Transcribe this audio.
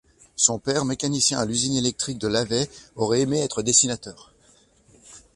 Son père, mécanicien à l'usine électrique de Lavey, aurait aimé être dessinateur.